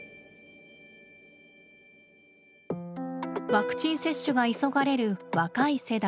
ワクチン接種が急がれる若い世代。